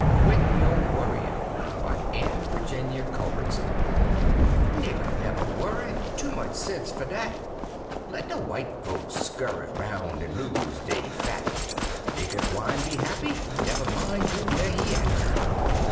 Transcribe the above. QUIT YO' WORRYIN' BY ANNE VIRGINIA CULBERTSON Nigger nuver worry, Too much sense fer dat, Let de white folks scurry Roun' an' lose dey fat, Nigger gwine be happy, nuver min' you whar he at.